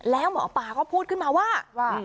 แล้วหมอปลาก็พูดขึ้นมาว่า